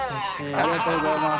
ありがとうございます。